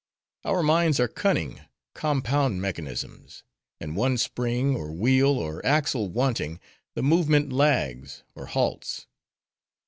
Our minds are cunning, compound mechanisms; and one spring, or wheel, or axle wanting, the movement lags, or halts.